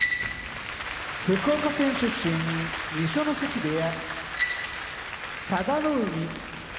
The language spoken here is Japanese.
福岡県出身二所ノ関部屋佐田の海